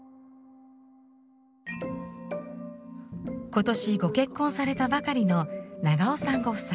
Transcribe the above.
今年ご結婚されたばかりの永尾さんご夫妻。